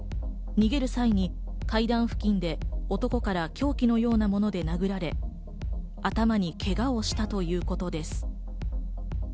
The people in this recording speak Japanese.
逃げる際に階段付近で男から凶器のようなもので殴られ、頭にケガをしたということです。